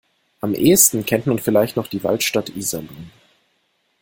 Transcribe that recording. Am ehesten kennt man vielleicht noch die Waldstadt Iserlohn.